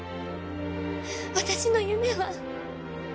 私の夢は？